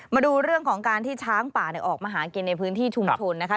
มาดูเรื่องของการที่ช้างป่าออกมาหากินในพื้นที่ชุมชนนะคะ